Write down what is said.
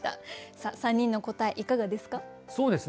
さあ３人の答えいかがですか？